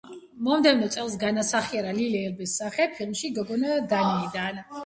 მომდევნო წელს განასახიერა ლილი ელბეს სახე ფილმში „გოგონა დანიიდან“.